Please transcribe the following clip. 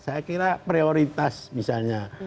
saya kira prioritas misalnya